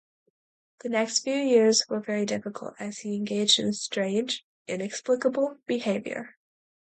The next few years were very difficult as he engaged in strange, inexplicable behaviour.